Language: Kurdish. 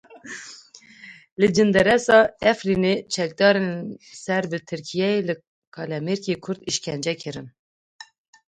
Li Cindirêsa Efrînê çekdarên ser bi Tirkiyeyê ve kalemêrekî Kurd îşkence kirin.